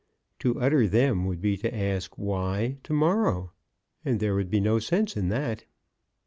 To utter them would be to ask, why to morrow? And there would be no sense in that."